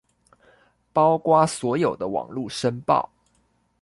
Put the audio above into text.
包括所有的網路申報